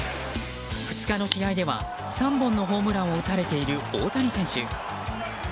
２日の試合では３本のホームランを打たれている大谷選手。